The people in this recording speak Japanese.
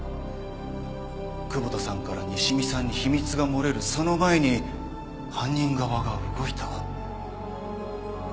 窪田さんから西見さんに秘密が漏れるその前に犯人側が動いた。